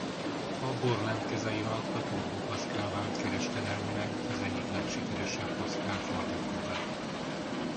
A Borland kezei alatt a Turbo Pascal vált kereskedelmileg az egyik legsikeresebb Pascal fordítóvá.